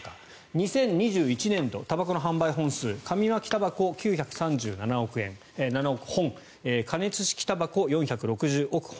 ２０２１年度たばこの販売本数紙巻きたばこ、９３７億本加熱式たばこ４６０億本。